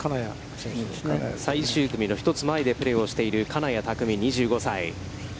最終組の１つ前でプレーをしている金谷拓実、２５歳。